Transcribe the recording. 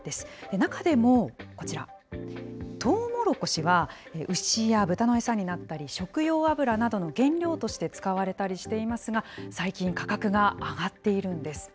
中でもこちら、トウモロコシは、牛や豚の餌になったり、食用油などの原料として使われたりしていますが、最近、価格が上がっているんです。